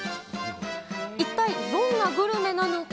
一体、どんなグルメなのか。